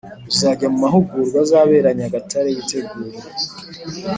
uzajya mu mahugurwa azabera inyagatare witegure